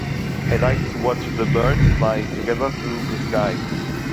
I like to watch the birds fly together through the sky.